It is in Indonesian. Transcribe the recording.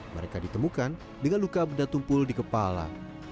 mereka ditemukan dengan luka benda tumpul di kepala